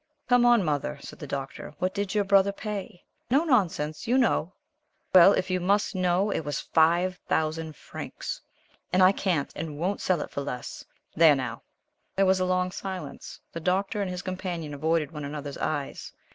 "Come on, Mother," said the Doctor, "what did your brother pay? No nonsense, you know." "Well, if you must know it was FIVE THOUSAND FRANCS, and I can't and won't sell it for less. There, now!" There was a long silence. The Doctor and his companion avoided one another's eyes.